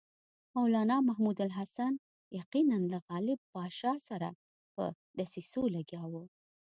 مولنا محمود الحسن یقیناً له غالب پاشا سره په دسیسو لګیا وو.